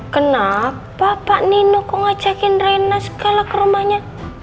kenapa bapak nino kok ngajakin rena segala ke rumahnya